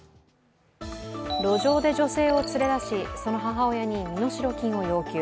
路上で女性を連れ出し、その母親に身代金を要求。